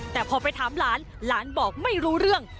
แต่พอไปถามหลานหลานบอกไม่รู้เรื่อง